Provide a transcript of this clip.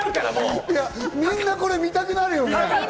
みんな見たくなるよね。